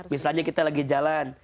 misalnya kita lagi jalan